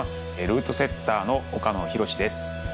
ルートセッターの岡野寛です。